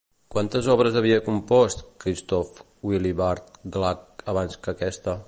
Quantes obres havia compost, Christoph Willibald Gluck, abans que aquesta?